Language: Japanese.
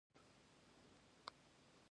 人に気に入られるようにこびへつらうさま。